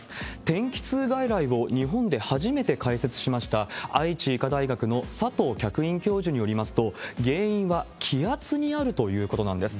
天気痛外来を日本で初めて開設しました、愛知医科大学の佐藤客員教授によりますと、原因は気圧にあるということなんです。